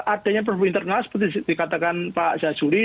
adanya perubahan internal seperti dikatakan pak zajuli